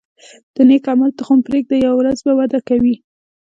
د نیک عمل تخم پرېږده، یوه ورځ به وده کوي.